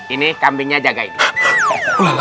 ini kambingnya jagain